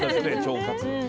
腸活。